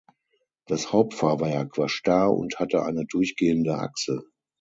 Das Hauptfahrwerk war starr und hatte eine durchgehende Achse.